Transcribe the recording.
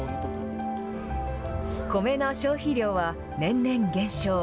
米の消費量は年々減少。